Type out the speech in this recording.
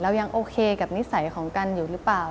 ยังโอเคกับนิสัยของกันอยู่หรือเปล่า